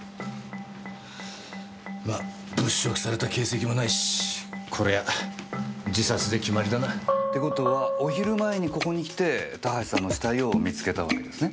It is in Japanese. ま物色された形跡もないしこりゃ自殺で決まりだな。って事はお昼前にここに来て田橋さんの死体を見つけたわけですね？